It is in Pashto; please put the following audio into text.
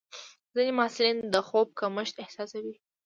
ځینې محصلین د خوب کمښت احساسوي.